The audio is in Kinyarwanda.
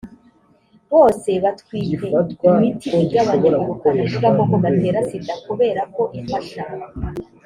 bose batwite imiti igabanya ubukana bw agakoko gatera sida kubera ko ifasha